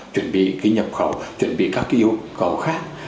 chuẩn bị cái nhập khẩu chuẩn bị các cái yêu cầu khác